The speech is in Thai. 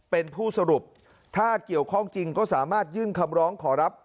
เป็นผู้สรุปถ้าเกี่ยวข้องจริงก็สามารถยื่นคำร้องขอรับ